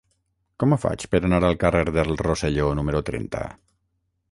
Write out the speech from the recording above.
Com ho faig per anar al carrer del Rosselló número trenta?